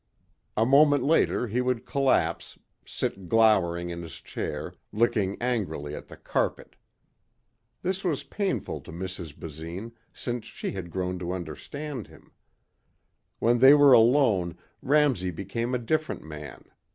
A moment later he would collapse, sit glowering in his chair, looking angrily at the carpet. This was painful to Mrs. Basine since she had grown to understand him. When they were alone Ramsey became a different man.